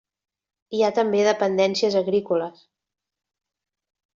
Hi ha també dependències agrícoles.